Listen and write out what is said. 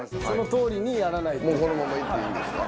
このままいっていいんですか？